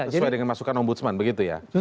sesuai dengan masukan ombudsman begitu ya